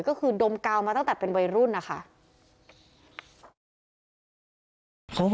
ก็คือดมกาวมาตั้งแต่เป็นวัยรุ่นนะคะ